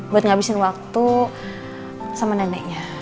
buat ngabisin waktu sama neneknya